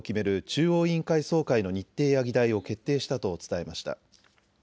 中央委員会総会の日程や議題を決定したと伝えました。